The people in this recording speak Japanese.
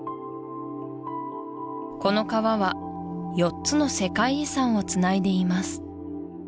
この川は４つの世界遺産をつないでいます